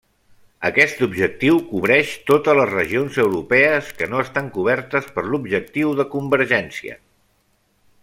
Aquest objectiu cobreix totes les regions europees que no estan cobertes per l'objectiu de Convergència.